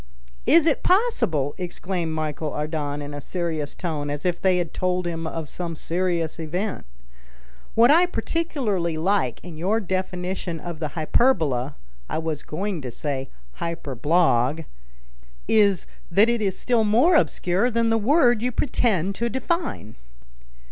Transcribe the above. "Is it possible!" exclaimed Michel Ardan in a serious tone, as if they had told him of some serious event. "What I particularly like in your definition of the hyperbola (I was going to say hyperblague) is that it is still more obscure than the word you pretend to define."